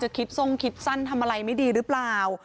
คิดทรงคิดสั้นทำอะไรไม่ดีหรือเปล่า